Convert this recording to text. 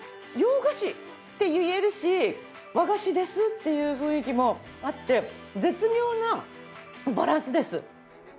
洋菓子って言えるし和菓子ですっていう雰囲気もあって絶妙なバランスです。